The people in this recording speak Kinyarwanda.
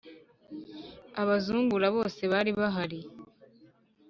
abazungura bose bari bahari